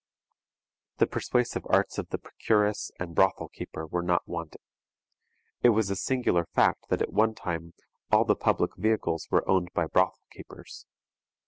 The persuasive arts of the procuress and brothel keeper were not wanting. It was a singular fact that at one time all the public vehicles were owned by brothel keepers.